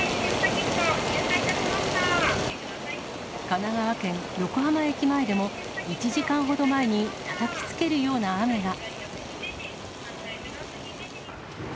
神奈川県横浜駅前でも、１時間ほど前にたたきつけるような雨が。